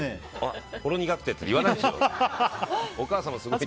ほろ苦くてって言わないでしょ。